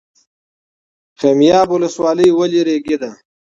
خمیاب ولسوالۍ ولې ریګي ده؟